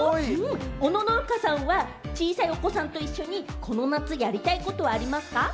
おのののかさんは小さいお子さんと一緒にこの夏やりたいことはありますか？